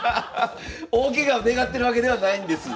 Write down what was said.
大ケガを願ってるわけではないんです。